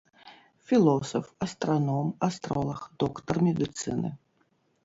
Філосаф, астраном, астролаг, доктар медыцыны.